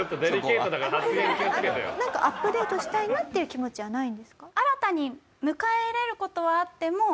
なんかアップデートしたいなっていう気持ちはないんですか？